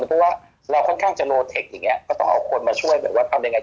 เพราะว่าเราค่อนข้างจะโลเทคอย่างนี้ก็ต้องเอาคนมาช่วยแบบว่าทำยังไง